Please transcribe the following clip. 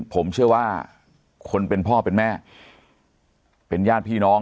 ผมเชื่อว่าคนเป็นพ่อเป็นแม่เป็นญาติพี่น้อง